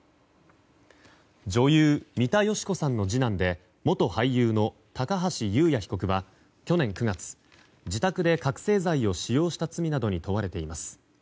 女優・三田佳子さんの次男で元俳優の高橋祐也被告は去年９月自宅で覚醒剤を使用した罪などに問われています。